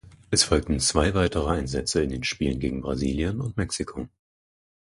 Es folgten zwei weitere Einsätze in den Spielen gegen Brasilien und Mexiko.